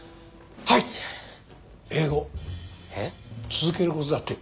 続けることだって。